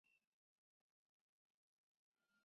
只有少数非国家公务员能升任到此阶级。